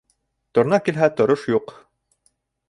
Торна килһә, торош юҡ.